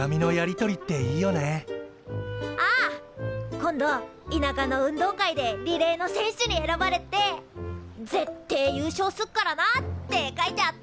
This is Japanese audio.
今度いなかの運動会でリレーの選手に選ばれて「ぜってえ優勝すっからな」って書いてあった。